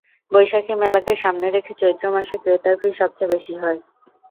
বৈশাখী মেলাকে সামনে রেখে চৈত্র মাসে ক্রেতার ভিড় সবচেয়ে বেশি হয়।